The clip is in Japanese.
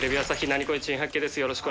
『ナニコレ珍百景』です。